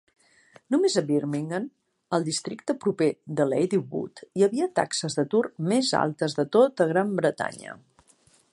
Només a Birmingham, al districte proper de Ladywood hi havia taxes d"atur més altes de tota Gran Bretanya.